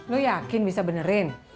lu yakin bisa benerin